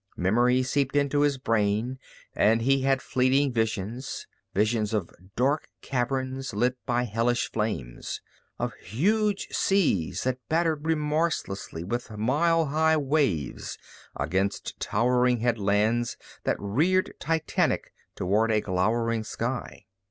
Memory seeped into his brain and he had fleeting visions, visions of dark caverns lit by hellish flames, of huge seas that battered remorselessly with mile high waves against towering headlands that reared titanic toward a glowering sky.